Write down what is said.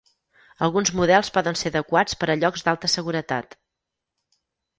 Alguns models poden ser adequats per a llocs d'alta seguretat.